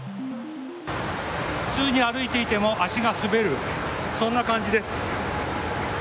普通に歩いていても足が滑るそんな感じです。